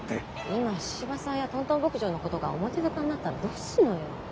今神々さんやトントン牧場のことが表沙汰になったらどうするのよ？